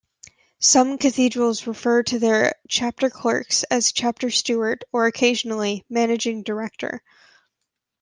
Some cathedrals refer to their Chapter Clerks as Chapter Steward or occasionally Managing Director.